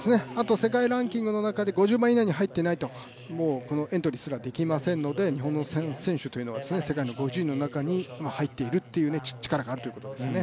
世界ランキングの中で５０番以内に入っていないと、エントリーすら出来ないので、川野選手は世界の５０位の中に入っている力があるということなんですね。